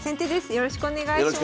よろしくお願いします。